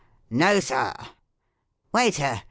"No, Sir!" "Waiter!